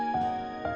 aku akan menjaga dia